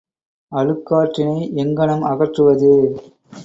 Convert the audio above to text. அழுக்காற்றினை எங்ஙனம் அகற்றுவது?